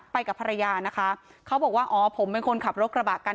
ไปกับภรรยานะคะเขาบอกว่าอ๋อผมเป็นคนขับรถกระบะกัน